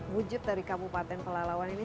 wujud dari kabupaten pelalawan ini